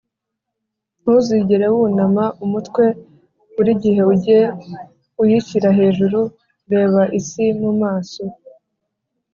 “ntuzigere wunama umutwe. buri gihe ujye uyishyira hejuru. reba isi mu maso. ”